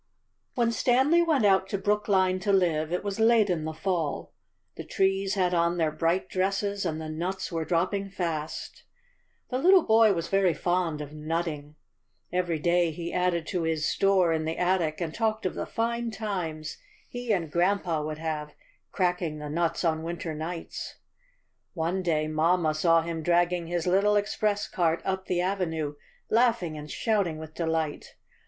When Stanley went out to Brookline to live it was late in the fall. The trees had on their bright dresses, and the nuts were dropping fast. The little boy was very fond of nutting. Every day he added to his store in the attic and talked of the fine times he and grandpa would have cracking the nuts on winter nights. One day mamma saw him dragging his little express cart up the avenue, laughing and shouting with delight.